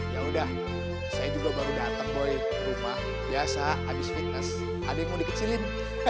ya udah saya juga baru datang boy rumah biasa habis fitness ada yang mau dikecilin